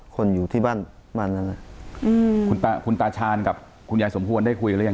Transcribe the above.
คนอยู่ที่บ้านบ้านนั้นอืมคุณตาคุณตาชาญกับคุณยายสมควรได้คุยกันหรือยัง